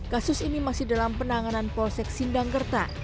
kasus ini masih dalam penanganan polsek sindangkerta